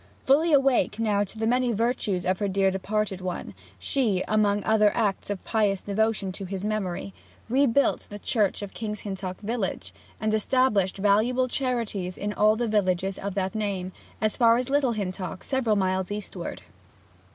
Fully awake now to the many virtues of her dear departed one, she, among other acts of pious devotion to his memory, rebuilt the church of King's Hintock village, and established valuable charities in all the villages of that name, as far as to Little Hintock, several miles eastward.